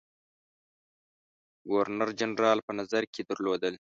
ګورنر جنرال په نظر کې درلودل.